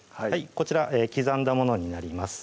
こちら刻んだものになります